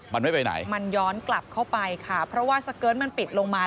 มันไม่ไปไหนมันย้อนกลับเข้าไปค่ะเพราะว่าสเกิร์ตมันปิดลงมา